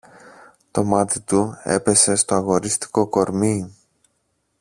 Το μάτι του έπεσε στο αγορίστικο κορμί